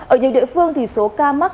ở nhiều địa phương thì số ca mắc